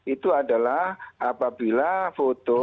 itu adalah apabila foto